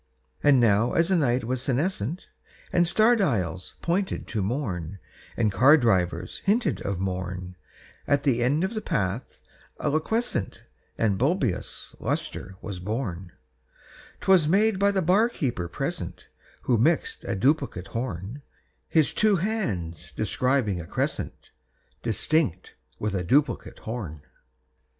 And now as the night was senescent, And star dials pointed to morn, And car drivers hinted of morn, At the end of the path a liquescent And bibulous lustre was born; 'Twas made by the bar keeper present, Who mixed a duplicate horn, His two hands describing a crescent Distinct with a duplicate horn.